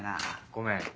ごめん。